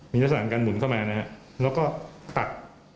มีลักษณะการหมุนเข้ามานะฮะแล้วก็ตัด